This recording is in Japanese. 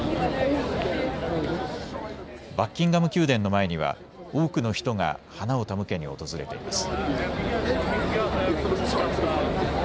バッキンガム宮殿の前には多くの人が花を手向けに訪れています。